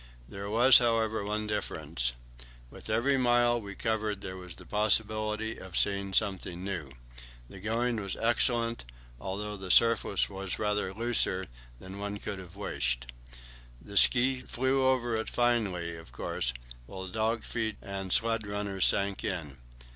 There was, however, one difference: with every mile we covered there was the possibility of seeing something new. The going was excellent, although the surface was rather looser than one could have wished. The ski flew over it finely, of course, while dogs' feet and sledge runners sank in.